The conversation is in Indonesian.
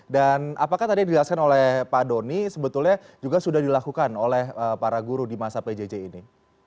dan apakah tadi yang dijelaskan oleh pak doni sebetulnya juga sudah dilakukan oleh para guru di masa pjj ini